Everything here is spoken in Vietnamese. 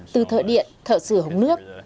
từ thợ điện thợ sửa hồng nước